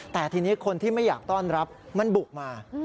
แต่ทีนี้คนที่ไม่อยากต้อนรับมันบุกมา